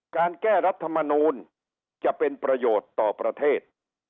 การแก้รัฐมนูลจะเป็นประโยชน์ต่อประเทศ